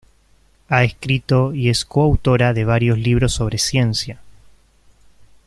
Ha escrito y es coautora de varios libros sobre ciencia.